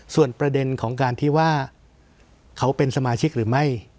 ส่วนประเด็นของการที่ว่าเขาเป็นสมาชิกหรือไม่